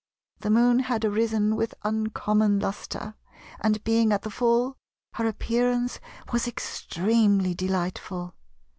The Moon had arisen with uncommon lustre, and being at the full, her appearance was extremely delightful.